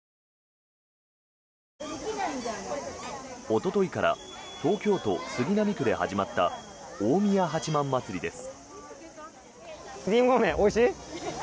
おとといから東京都杉並区で始まった大宮八幡祭りです。